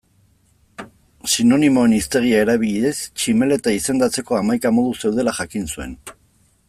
Sinonimoen hiztegia erabiliz tximeleta izendatzeko hamaika modu zeudela jakin zuen.